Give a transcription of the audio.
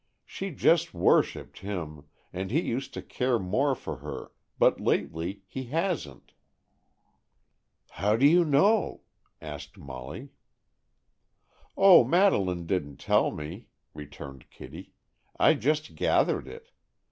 "She just worshipped him, and he used to care more for her, but lately he hasn't." "How do you know?" asked Molly. "Oh, Madeleine didn't tell me," returned Kitty. "I just gathered it.